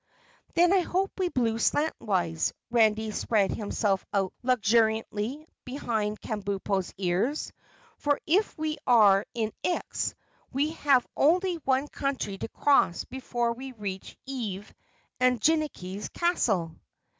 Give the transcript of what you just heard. "Then I hope we blew slantwise." Randy spread himself out luxuriantly behind Kabumpo's ears. "For if we are in Ix, we have only one country to cross before we reach Ev and Jinnicky's castle."